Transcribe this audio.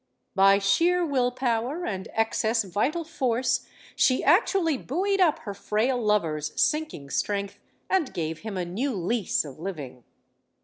By sheer will power and excess vital force she actually buoyed up her frail lover's sinking strength and gave him a new lease of living.